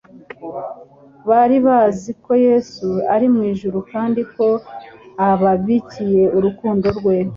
Bari bazi ko Yesu ari mu ijuru kandi ko ababikiye urukundo rwe.